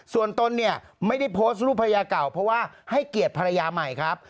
ส่วนตนเนี่ยไม่ได้โพสต์รูปภรรยาเก่าเพราะว่าให้เกียรติภรรยาใหม่ครับ